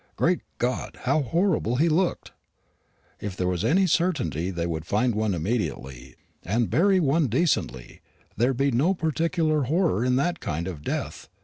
Great God, how horrible he looked! If there was any certainty they would find one immediately, and bury one decently, there'd be no particular horror in that kind of death.